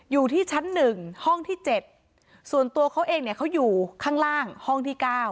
อยู่ที่ชั้น๑ห้องที่๗ส่วนตัวเขาเองเนี่ยเขาอยู่ข้างล่างห้องที่๙